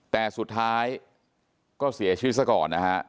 แต่สุดท้ายก็เสียชีวิตซะก่อนนะฮะ